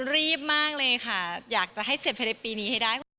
รีบมากเลยค่ะอยากจะให้เสร็จภายในปีนี้ให้ได้คุณผู้ชม